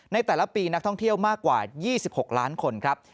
ในแต่ละปีนักท่องเที่ยวมากกว่า๒๖ล้านคนครับ